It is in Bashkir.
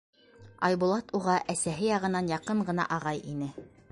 Айбулат уға әсәһе яғынан яҡын ғына ағай ине.